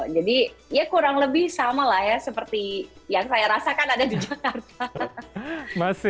jadi ya kurang lebih sama lah ya seperti yang saya rasakan ada di jakarta